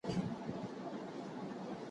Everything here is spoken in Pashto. په غم کي يې بايد ځان شريک وګڼو.